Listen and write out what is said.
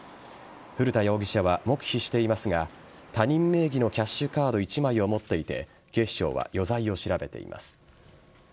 古田容疑者は黙秘していますが他人名義のキャッシュカード１枚を持っていて警視庁は余罪を調べています。